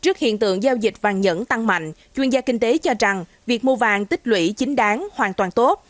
trước hiện tượng giao dịch vàng nhẫn tăng mạnh chuyên gia kinh tế cho rằng việc mua vàng tích lũy chính đáng hoàn toàn tốt